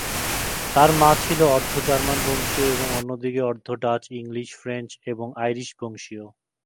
তার মা ছিল অর্ধ জার্মান বংশীয় এবং অন্যদিকে অর্ধ ডাচ, ইংলিশ, ফ্রেঞ্চ এবং আইরিশ বংশীয়।